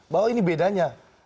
bahwa ini bedanya